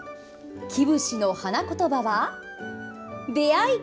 キブシの花言葉は「出会い」。